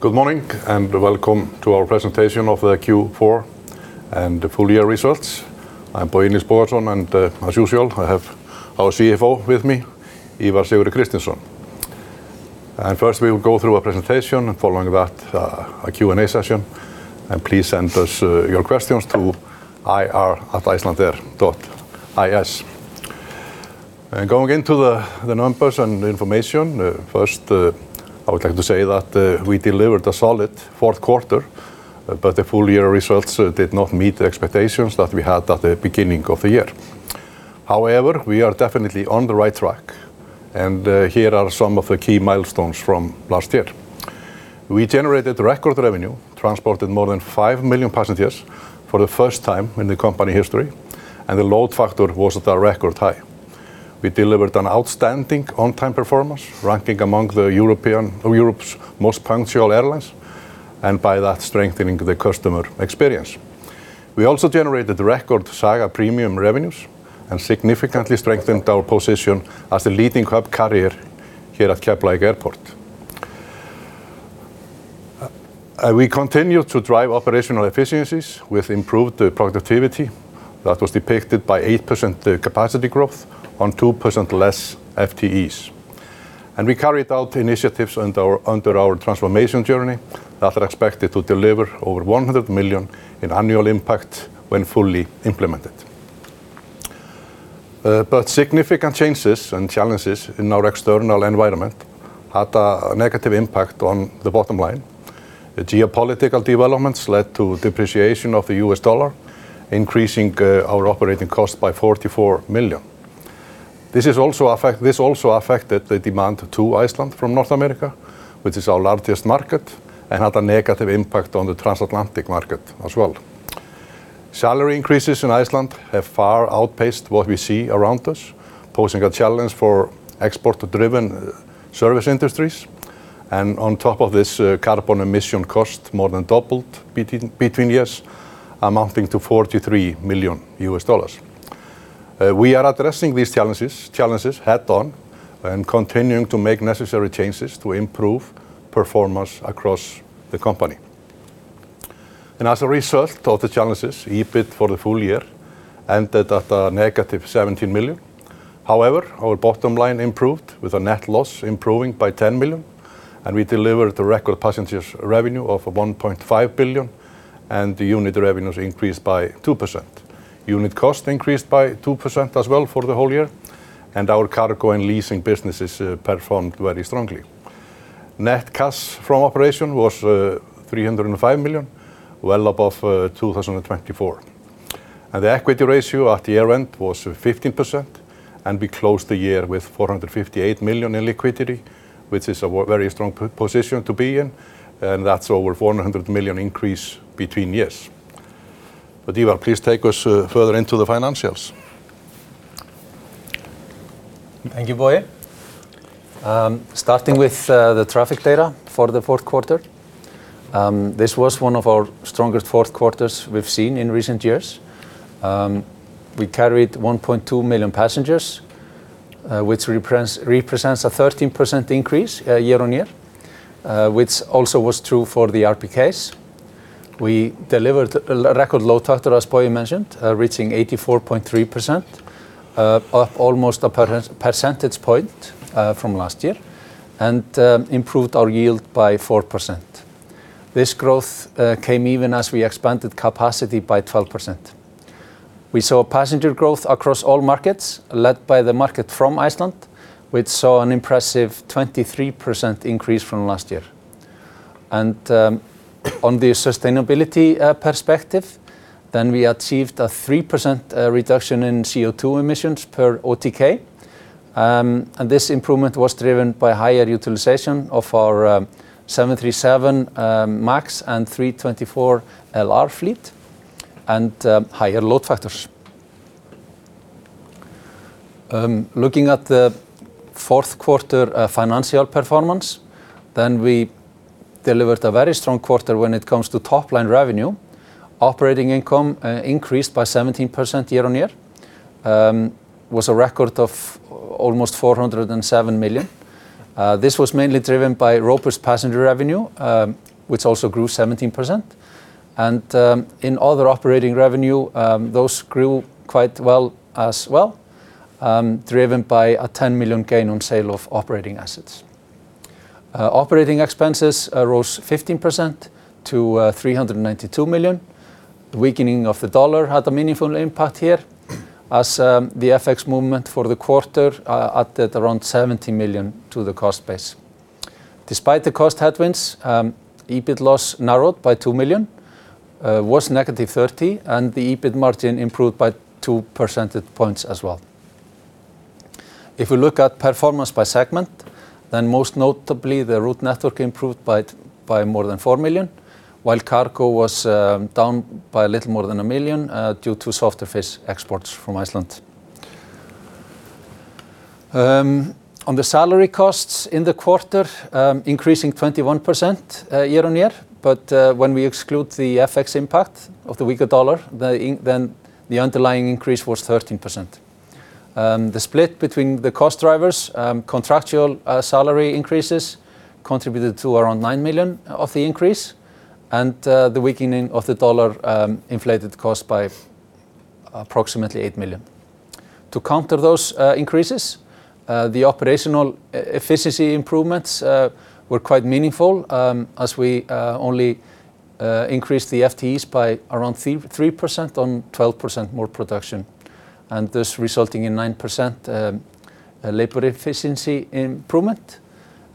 Good morning and welcome to our presentation of the Q4 and the full-year results. I'm Bogi Nils Bogason, and as usual, I have our CFO with me, Ívar Sigurður Kristinsson. First we will go through a presentation and following that a Q&A session, and please send us your questions to ir@icelandair.is. Going into the numbers and information, first I would like to say that we delivered a solid fourth quarter, but the full-year results did not meet the expectations that we had at the beginning of the year. However, we are definitely on the right track, and here are some of the key milestones from last year. We generated record revenue, transported more than five million passengers for the first time in the company history, and the load factor was at a record high. We delivered an outstanding on-time performance, ranking among Europe's most punctual airlines, and by that strengthening the customer experience. We also generated record Saga Premium revenues and significantly strengthened our position as the leading hub carrier here at Keflavík Airport. We continue to drive operational efficiencies with improved productivity that was depicted by 8% capacity growth on 2% less FTEs. We carried out initiatives under our transformation journey that are expected to deliver over $100 million in annual impact when fully implemented. Significant changes and challenges in our external environment had a negative impact on the bottom line. Geopolitical developments led to depreciation of the US dollar, increasing our operating cost by $44 million. This also affected the demand to Iceland from North America, which is our largest market, and had a negative impact on the transatlantic market as well. Salary increases in Iceland have far outpaced what we see around us, posing a challenge for export-driven service industries, and on top of this, carbon emission costs more than doubled between years, amounting to $43 million. We are addressing these challenges head-on and continuing to make necessary changes to improve performance across the company. As a result of the challenges, EBIT for the full year ended at a negative $17 million. However, our bottom line improved with a net loss improving by $10 million, and we delivered a record passenger revenue of $1.5 billion, and unit revenues increased by 2%. Unit cost increased by 2% as well for the whole year, and our cargo and leasing businesses performed very strongly. Net cash from operation was $305 million, well above 2024. The equity ratio at year-end was 15%, and we closed the year with $458 million in liquidity, which is a very strong position to be in, and that's over $400 million increase between years. But Ívar, please take us further into the financials. Thank you, Bogi. Starting with the traffic data for the fourth quarter. This was one of our strongest fourth quarters we've seen in recent years. We carried 1.2 million passengers, which represents a 13% increase year-over-year, which also was true for the RPKs. We delivered a record load factor, as Bogi mentioned, reaching 84.3%, up almost a percentage point from last year, and improved our yield by 4%. This growth came even as we expanded capacity by 12%. We saw passenger growth across all markets, led by the market from Iceland, which saw an impressive 23% increase from last year. On the sustainability perspective, then we achieved a 3% reduction in CO2 emissions per OTK, and this improvement was driven by higher utilization of our 737 MAX and A321LR fleet, and higher load factors. Looking at the fourth quarter financial performance, then we delivered a very strong quarter when it comes to top-line revenue. Operating income increased by 17% year-on-year, was a record of almost $407 million. This was mainly driven by robust passenger revenue, which also grew 17%, and in other operating revenue, those grew quite well as well, driven by a $10 million gain on sale of operating assets. Operating expenses rose 15% to $392 million. Weakening of the dollar had a meaningful impact here, as the FX movement for the quarter added around $70 million to the cost base. Despite the cost headwinds, EBIT loss narrowed by $2 million, was negative $30 million, and the EBIT margin improved by 2 percentage points as well. If we look at performance by segment, then most notably the route network improved by more than four million, while cargo was down by a little more than 1 million due to softer fish exports from Iceland. On the salary costs in the quarter, increasing 21% year-over-year, but when we exclude the FX impact of the weaker dollar, then the underlying increase was 13%. The split between the cost drivers, contractual salary increases, contributed to around $9 million of the increase, and the weakening of the dollar inflated costs by approximately $8 million. To counter those increases, the operational efficiency improvements were quite meaningful, as we only increased the FTEs by around 3% on 12% more production, and this resulting in 9% labor efficiency improvement.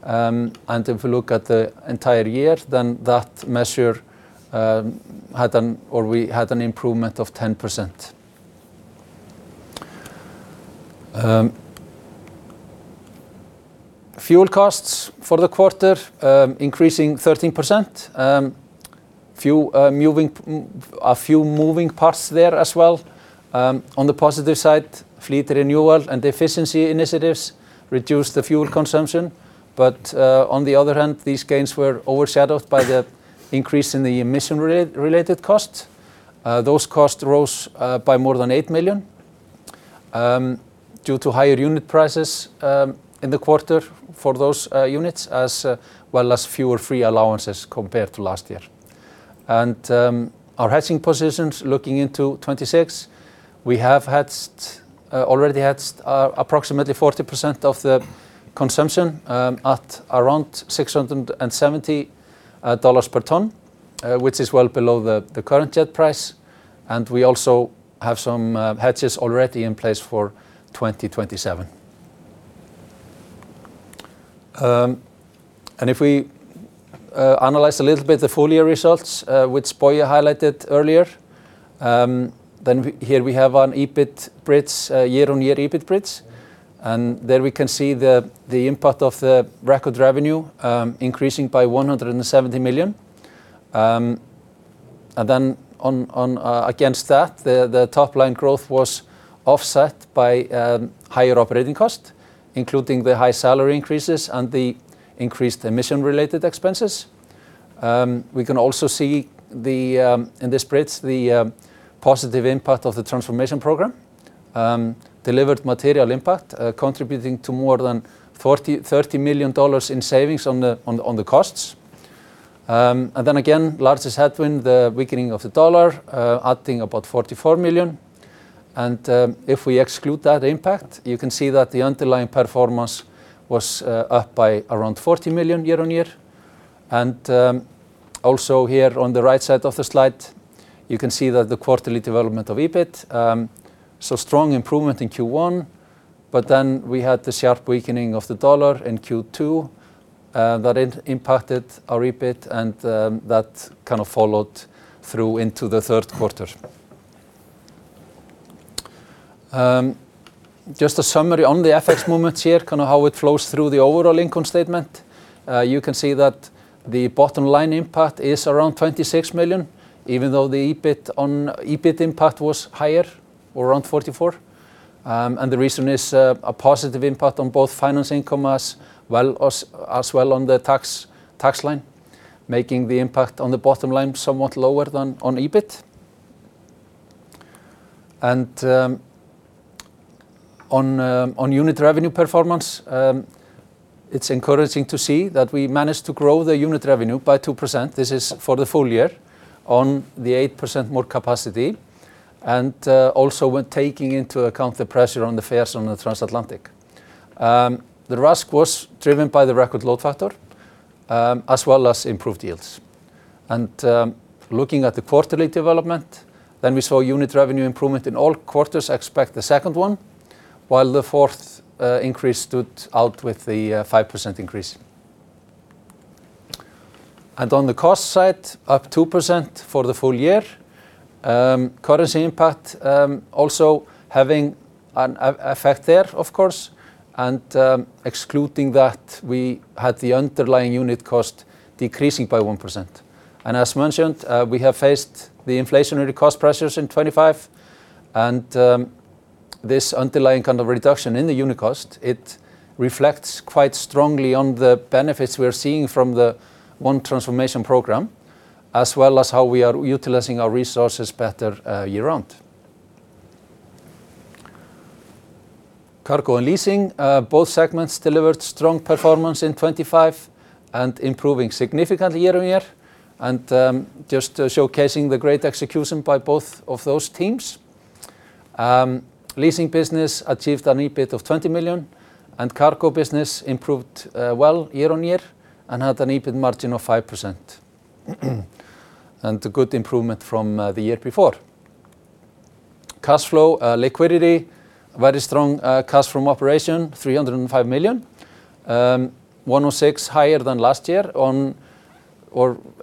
And if we look at the entire year, then that measure had an improvement of 10%. Fuel costs for the quarter, increasing 13%. A few moving parts there as well. On the positive side, fleet renewal and efficiency initiatives reduced the fuel consumption, but on the other hand, these gains were overshadowed by the increase in the emission-related costs. Those costs rose by more than $8 million due to higher unit prices in the quarter for those units, as well as fewer free allowances compared to last year. Our hedging positions, looking into 2026, we have already hedged approximately 40% of the consumption at around $670 per ton, which is well below the current jet price, and we also have some hedges already in place for 2027. If we analyze a little bit the full-year results, which Bogi highlighted earlier, then here we have our year-on-year EBIT bridge, and there we can see the impact of the record revenue increasing by $170 million. And then against that, the top-line growth was offset by higher operating costs, including the high salary increases and the increased emission-related expenses. We can also see in this slide the positive impact of the transformation program, delivered material impact, contributing to more than $30 million in savings on the costs. And then again, largest headwind, the weakening of the dollar, adding about $44 million. And if we exclude that impact, you can see that the underlying performance was up by around $40 million year-on-year. And also here on the right side of the slide, you can see that the quarterly development of EBIT, so strong improvement in Q1, but then we had the sharp weakening of the dollar in Q2 that impacted our EBIT, and that kind of followed through into the third quarter. Just a summary on the FX movements here, kind of how it flows through the overall income statement. You can see that the bottom line impact is around $26 million, even though the EBIT impact was higher, around $44 million. The reason is a positive impact on both finance income as well as on the tax line, making the impact on the bottom line somewhat lower than on EBIT. On unit revenue performance, it's encouraging to see that we managed to grow the unit revenue by 2%. This is for the full year on the 8% more capacity, and also taking into account the pressure on the fares on the transatlantic. The RASK was driven by the record load factor as well as improved yields. Looking at the quarterly development, then we saw unit revenue improvement in all quarters, except the second one, while the fourth increase stood out with the 5% increase. On the cost side, up 2% for the full year. Currency impact also having an effect there, of course, and excluding that, we had the underlying unit cost decreasing by 1%. As mentioned, we have faced the inflationary cost pressures in 2025, and this underlying kind of reduction in the unit cost, it reflects quite strongly on the benefits we are seeing from the one transformation program, as well as how we are utilizing our resources better year-round. Cargo and leasing, both segments delivered strong performance in 2025 and improving significantly year-on-year, and just showcasing the great execution by both of those teams. Leasing business achieved an EBIT of $20 million, and cargo business improved well year on year and had an EBIT margin of 5%, and a good improvement from the year before. Cash flow, liquidity, very strong cash from operation, $305 million, $106 million higher than last year,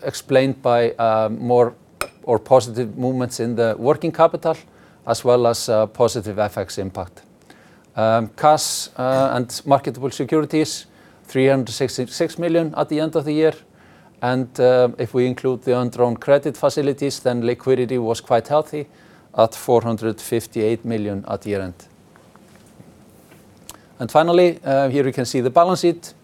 explained by more positive movements in the working capital as well as positive FX impact. Cash and marketable securities, $366 million at the end of the year, and if we include the undrawn credit facilities, then liquidity was quite healthy at $458 million at year-end. Finally, here you can see the balance sheet.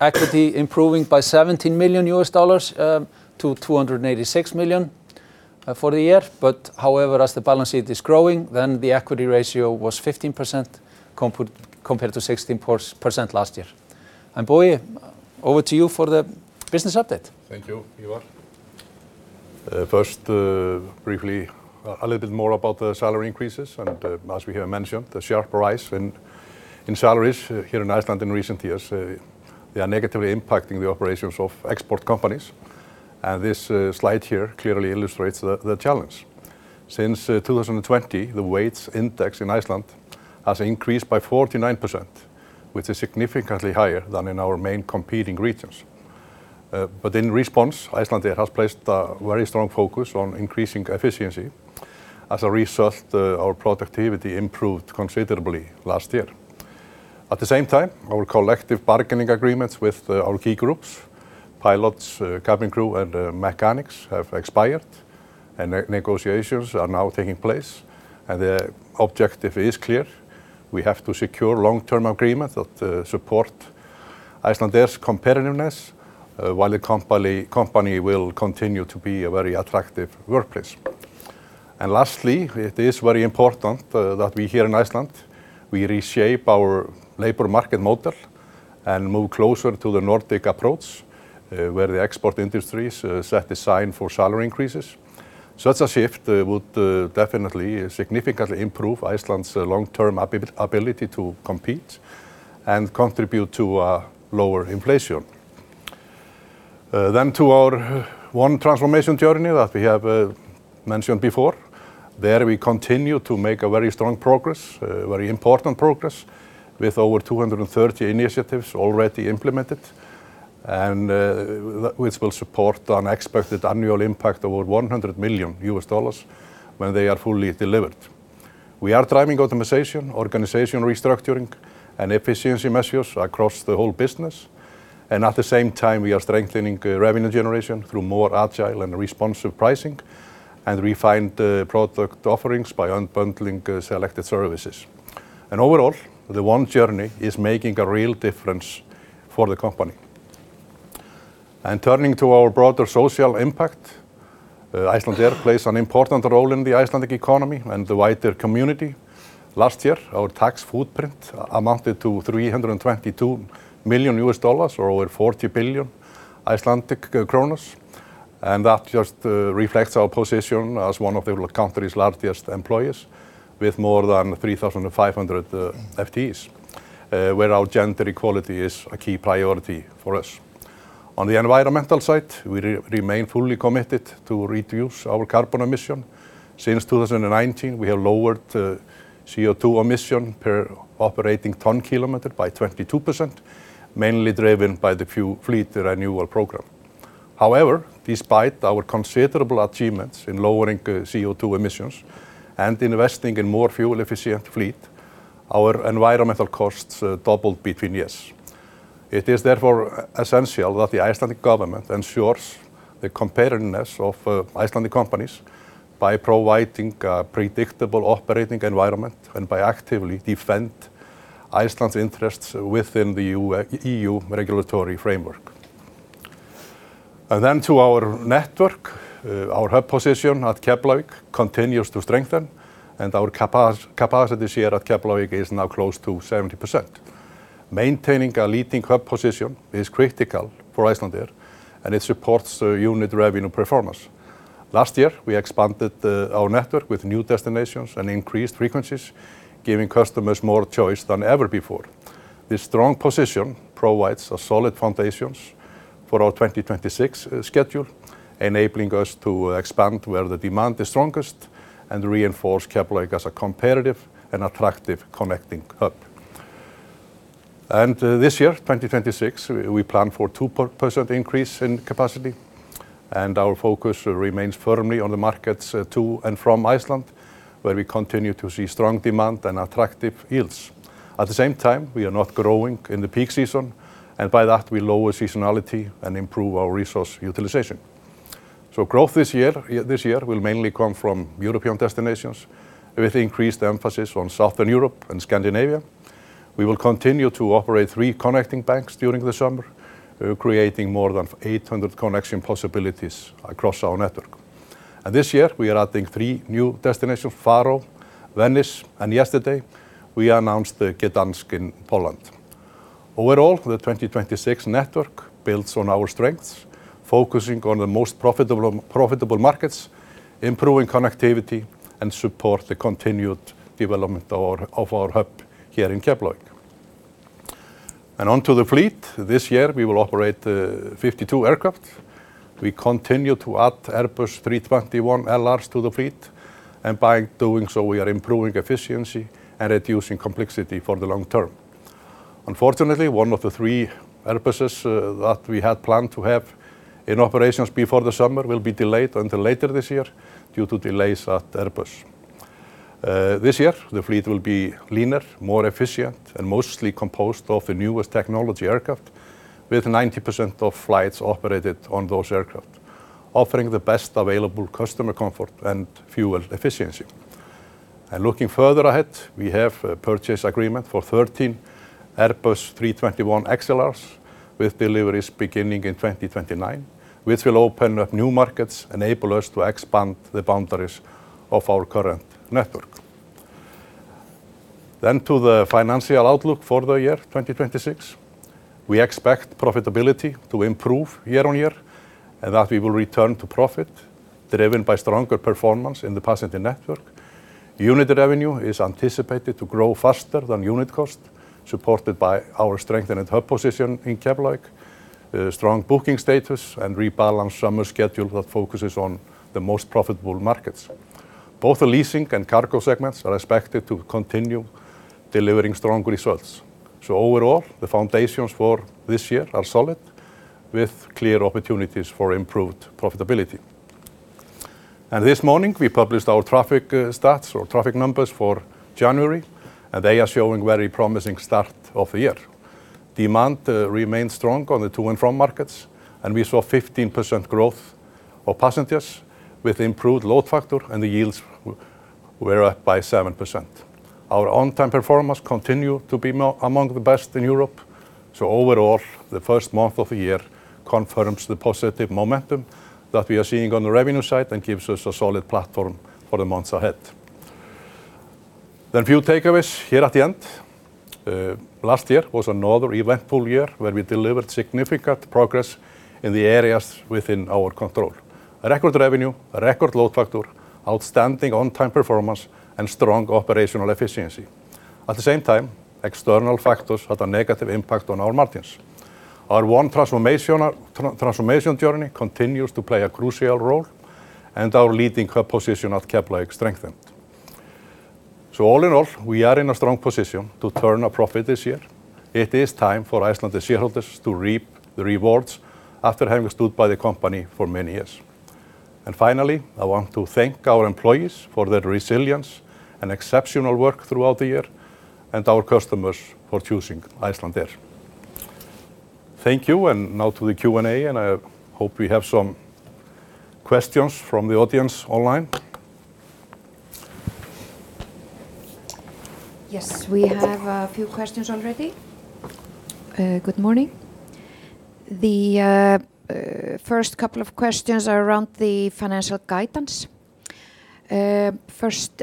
Equity improving by $17 million to $286 million for the year, but however, as the balance sheet is growing, then the equity ratio was 15% compared to 16% last year. Bogi, over to you for the business update. Thank you, Ívar. First, briefly, a little bit more about the salary increases, and as we have mentioned, the sharp rise in salaries here in Iceland in recent years, they are negatively impacting the operations of export companies, and this slide here clearly illustrates the challenge. Since 2020, the wage index in Iceland has increased by 49%, which is significantly higher than in our main competing regions. But in response, Iceland has placed a very strong focus on increasing efficiency. As a result, our productivity improved considerably last year. At the same time, our collective bargaining agreements with our key groups, pilots, cabin crew, and mechanics, have expired, and negotiations are now taking place, and the objective is clear. We have to secure long-term agreements that support Iceland's competitiveness while the company will continue to be a very attractive workplace. Lastly, it is very important that we here in Iceland reshape our labor market model and move closer to the Nordic approach where the export industries set the tone for salary increases. Such a shift would definitely significantly improve Iceland's long-term ability to compete On the environmental side, we remain fully committed to reduce our carbon emission. Since 2019, we have lowered CO2 emission per operating ton kilometer by 22%, mainly driven by the fuel fleet renewal program. However, despite our considerable achievements in lowering CO2 emissions and investing in a more fuel-efficient fleet, our environmental costs doubled between years. It is therefore essential that the Icelandic government ensures the competitiveness of Icelandic companies by providing a predictable operating environment and by actively defending Iceland's interests within the EU regulatory framework. Then to our network, our hub position at Keflavík continues to strengthen, and our capacity here at Keflavík is now close to 70%. Maintaining a leading hub position is critical for Icelandair, and it supports unit revenue performance. Last year, we expanded our network with new destinations and increased frequencies, giving customers more choice than ever before. This strong position provides a solid foundation for our 2026 schedule, enabling us to expand where the demand is strongest and reinforce Keflavík as a competitive and attractive connecting hub. This year, 2026, we plan for a 2% increase in capacity, and our focus remains firmly on the markets to and from Iceland, where we continue to see strong demand and attractive yields. At the same time, we are not growing in the peak season, and by that, we lower seasonality and improve our resource utilization. Growth this year will mainly come from European destinations with increased emphasis on Southern Europe and Scandinavia. We will continue to operate three connecting banks during the summer, creating more than 800 connection possibilities across our network. This year, we are adding three new destinations: Faroe, Venice, and yesterday, we announced Gdansk in Poland. Overall, the 2026 network builds on our strengths, focusing on the most profitable markets, improving connectivity, and supporting the continued development of our hub here in Keflavík. Onto the fleet, this year, we will operate 52 aircraft. We continue to add Airbus A321LRs to the fleet, and by doing so, we are improving efficiency and reducing complexity for the long term. Unfortunately, one of the three Airbuses that we had planned to have in operations before the summer will be delayed until later this year due to delays at Airbus. This year, the fleet will be leaner, more efficient, and mostly composed of the newest technology aircraft, with 90% of flights operated on those aircraft, offering the best available customer comfort and fuel efficiency. Looking further ahead, we have a purchase agreement for 13 Airbus A321XLRs with deliveries beginning in 2029, which will open up new markets, enable us to expand the boundaries of our current network. Then to the financial outlook for the year 2026, we expect profitability to improve year on year and that we will return to profit driven by stronger performance in the passenger network. Unit revenue is anticipated to grow faster than unit cost, supported by our strengthened hub position in Keflavík, strong booking status, and rebalanced summer schedule that focuses on the most profitable markets. Both the leasing and cargo segments are expected to continue delivering strong results. So overall, the foundations for this year are solid with clear opportunities for improved profitability. And this morning, we published our traffic stats or traffic numbers for January, and they are showing a very promising start of the year. Demand remains strong on the to and from markets, and we saw 15% growth of passengers with improved load factor, and the yields were up by 7%. Our on-time performance continues to be among the best in Europe. So overall, the first month of the year confirms the positive momentum that we are seeing on the revenue side and gives us a solid platform for the months ahead. Then a few takeaways here at the end. Last year was another eventful year where we delivered significant progress in the areas within our control: record revenue, record load factor, outstanding on-time performance, and strong operational efficiency. At the same time, external factors had a negative impact on our margins. Our ongoing transformation journey continues to play a crucial role, and our leading hub position at Keflavík strengthened. So all in all, we are in a strong position to turn a profit this year. It is time for Icelandic shareholders to reap the rewards after having stood by the company for many years. And finally, I want to thank our employees for their resilience and exceptional work throughout the year, and our customers for choosing Icelandair. Thank you, and now to the Q&A, and I hope we have some questions from the audience online. Yes, we have a few questions already. Good morning. The first couple of questions are around the financial guidance. First,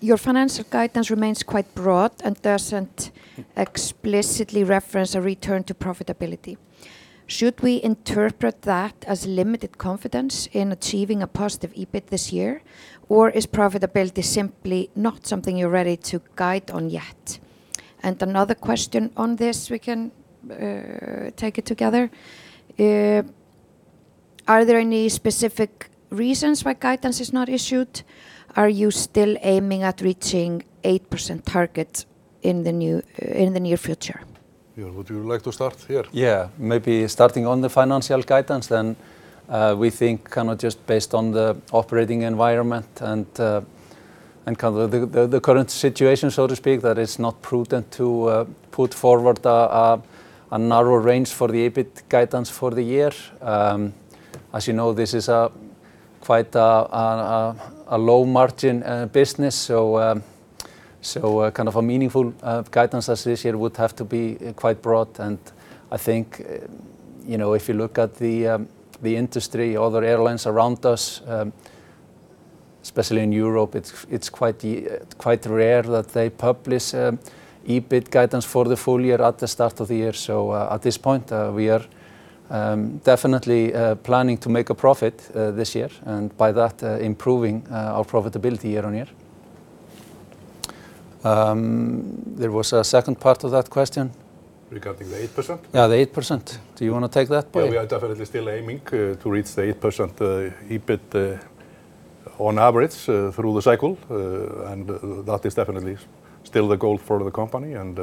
your financial guidance remains quite broad and doesn't explicitly reference a return to profitability. Should we interpret that as limited confidence in achieving a positive EBIT this year, or is profitability simply not something you're ready to guide on yet? And another question on this, we can take it together. Are there any specific reasons why guidance is not issued? Are you still aiming at reaching the 8% target in the near future? Ívar, would you like to start here? Yeah, maybe starting on the financial guidance, then we think kind of just based on the operating environment and kind of the current situation, so to speak, that it's not prudent to put forward a narrow range for the EBIT guidance for the year. As you know, this is quite a low-margin business, so kind of a meaningful guidance as this year would have to be quite broad. And I think if you look at the industry, other airlines around us, especially in Europe, it's quite rare that they publish EBIT guidance for the full year at the start of the year. So at this point, we are definitely planning to make a profit this year and by that, improving our profitability year-on-year. There was a second part of that question. Regarding the 8%? Yeah, the 8%. Do you want to take that, Bogi? Yeah, we are definitely still aiming to reach the 8% EBIT on average through the cycle, and that is definitely still the goal for the company, and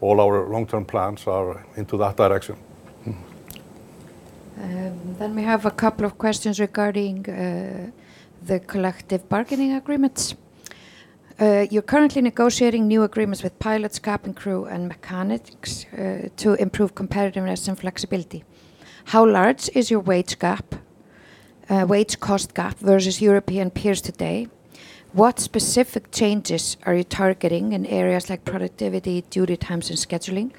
all our long-term plans are into that direction. We have a couple of questions regarding the collective bargaining agreements. You're currently negotiating new agreements with pilots, cabin crew, and mechanics to improve competitiveness and flexibility. How large is your wage cost gap versus European peers today? What specific changes are you targeting in areas like productivity, duty times, and scheduling?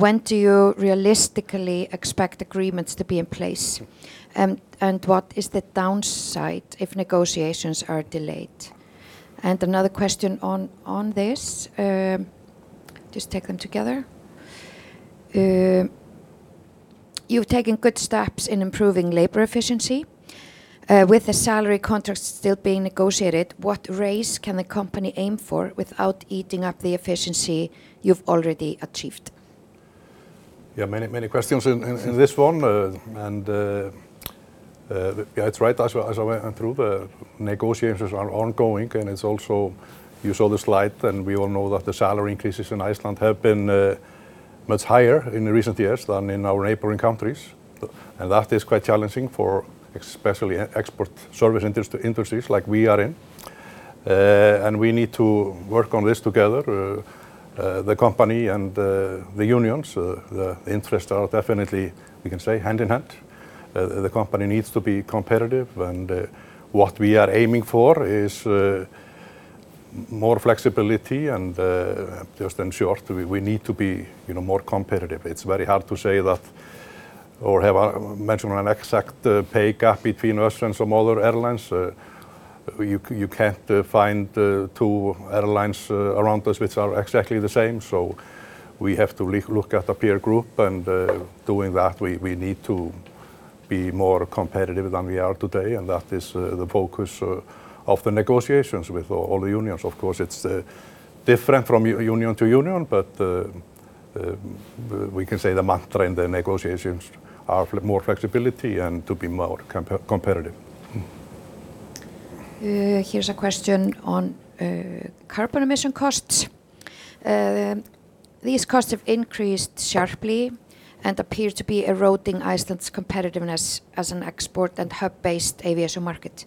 When do you realistically expect agreements to be in place, and what is the downside if negotiations are delayed? Another question on this. Just take them together. You've taken good steps in improving labor efficiency. With the salary contracts still being negotiated, what raise can the company aim for without eating up the efficiency you've already achieved? Yeah, many questions in this one. Yeah, it's right. As I went through, the negotiations are ongoing, and it's also you saw the slide, and we all know that the salary increases in Iceland have been much higher in recent years than in our neighboring countries, and that is quite challenging for especially export service industries like we are in. We need to work on this together. The company and the unions, the interests are definitely, we can say, hand in hand. The company needs to be competitive, and what we are aiming for is more flexibility, and just in short, we need to be more competitive. It's very hard to say that or have mentioned an exact pay gap between us and some other airlines. You can't find two airlines around us which are exactly the same, so we have to look at a peer group, and doing that, we need to be more competitive than we are today, and that is the focus of the negotiations with all the unions. Of course, it's different from union to union, but we can say the mantra in the negotiations are more flexibility and to be more competitive. Here's a question on carbon emission costs. These costs have increased sharply and appear to be eroding Iceland's competitiveness as an export and hub-based aviation market.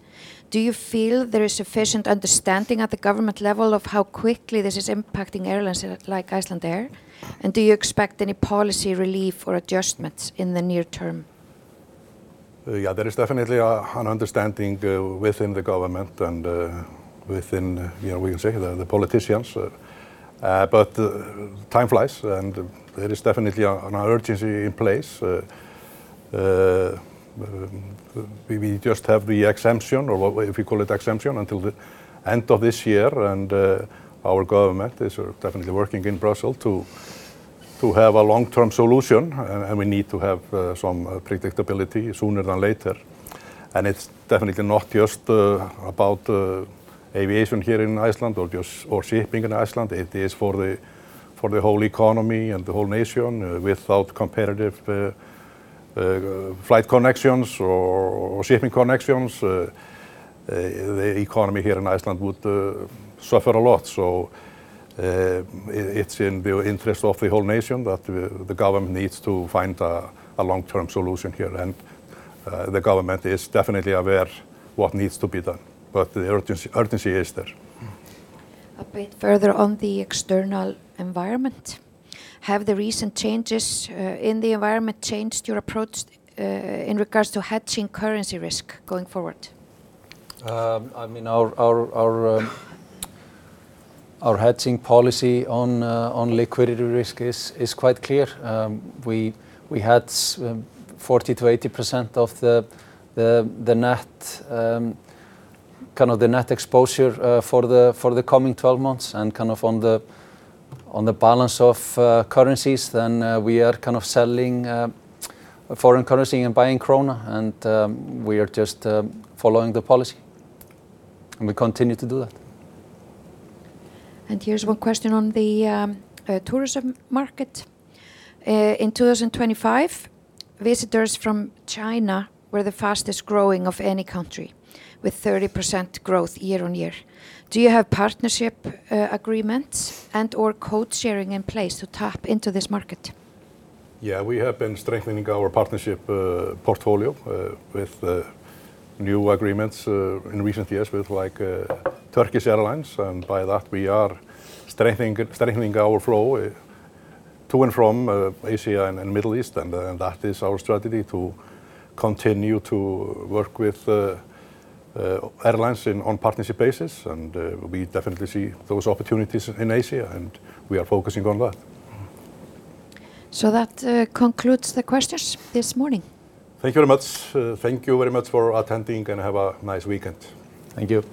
Do you feel there is sufficient understanding at the government level of how quickly this is impacting airlines like Icelandair, and do you expect any policy relief or adjustments in the near term? Yeah, there is definitely an understanding within the government and within, we can say, the politicians, but time flies, and there is definitely an urgency in place. We just have the exemption, or if you call it exemption, until the end of this year, and our government is definitely working in Brussels to have a long-term solution, and we need to have some predictability sooner than later. And it's definitely not just about aviation here in Iceland or shipping in Iceland. It is for the whole economy and the whole nation. Without competitive flight connections or shipping connections, the economy here in Iceland would suffer a lot. So it's in the interest of the whole nation that the government needs to find a long-term solution here, and the government is definitely aware of what needs to be done, but the urgency is there. A bit further on the external environment. Have the recent changes in the environment changed your approach in regards to hedging currency risk going forward? I mean, our hedging policy on liquidity risk is quite clear. We hedge 40%-80% of the kind of net exposure for the coming 12 months, and kind of on the balance of currencies, then we are kind of selling foreign currency and buying króna, and we are just following the policy, and we continue to do that. Here's one question on the tourism market. In 2025, visitors from China were the fastest growing of any country with 30% growth year-on-year. Do you have partnership agreements and/or code-sharing in place to tap into this market? Yeah, we have been strengthening our partnership portfolio with new agreements in recent years with Turkish Airlines, and by that, we are strengthening our flow to and from Asia and Middle East, and that is our strategy to continue to work with airlines on a partnership basis, and we definitely see those opportunities in Asia, and we are focusing on that. That concludes the questions this morning. Thank you very much. Thank you very much for attending, and have a nice weekend. Thank you.